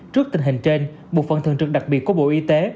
trước tình hình trên một phần thường trực đặc biệt của bộ y tế